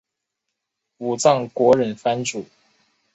武藏国忍藩主。